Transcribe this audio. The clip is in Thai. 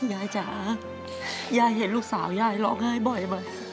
จ๋ายายเห็นลูกสาวยายร้องไห้บ่อยไหม